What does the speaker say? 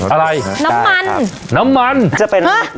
อะไรน้ำมันน้ำมันจะเป็นน้ำมันหมูครับ